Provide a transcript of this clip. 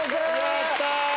やった！